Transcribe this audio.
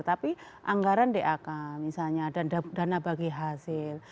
tapi anggaran dak misalnya dan dana bagi hasil